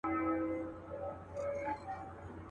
خو قانون د سلطنت دی نه بدلیږي.